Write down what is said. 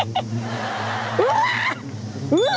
うわ！